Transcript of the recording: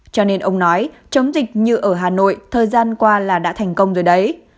cho nên ông nói chống dịch như ở hà nội thời gian qua là đã thành công rồi đấy